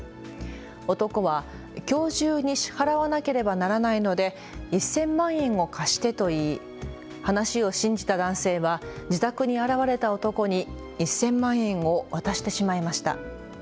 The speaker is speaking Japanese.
男は、きょう中に支払わなければならないので１０００万円を貸してと言い話を信じた男性は自宅に現れた男に１０００万円を渡してしまいました。